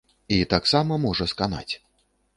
І таксама можа сканаць.